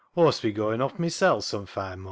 Aw'st be goin' off mysel' some fine mornin'."